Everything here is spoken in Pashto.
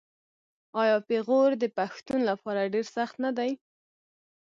آیا پېغور د پښتون لپاره ډیر سخت نه دی؟